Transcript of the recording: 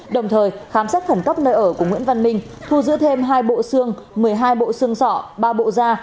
đồng thời khám xét khẩn cấp nơi ở của nguyễn văn minh thu giữ thêm hai bộ xương một mươi hai bộ xương sỏ ba bộ da